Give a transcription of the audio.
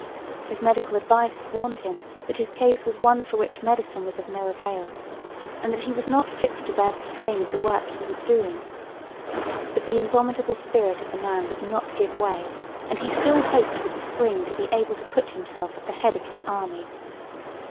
His medical advisers warned him that his case was one for which medicine was of no avail, and that he was not fit to bear the strain of the work he was doing. But the indomitable spirit of the man would not give way, and he still hoped with the spring to be able to put himself at the head of his army.